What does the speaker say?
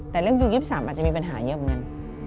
แต่เรื่องยู๒๓อาจจะมีปัญหาเยอะเหมือนกัน